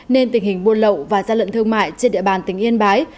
nên tình hình buôn lậu và gian lận thương mại trên địa bàn tỉnh yên bái